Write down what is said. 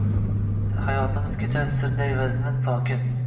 Hayotimiz kechar Sirday vazmin, sokin